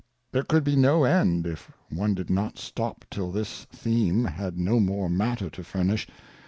There could be no end, if one did not stop till this Theme had no more matter to furnish.